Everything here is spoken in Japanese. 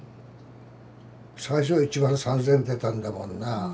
最初１万３，０００出たんだもんな。